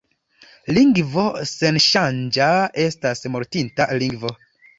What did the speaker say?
Lingvo senŝanĝa estas mortinta lingvo.